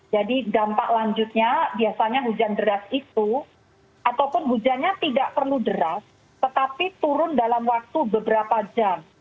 jadi dampak lanjutnya biasanya hujan deras itu ataupun hujannya tidak perlu deras tetapi turun dalam waktu beberapa jam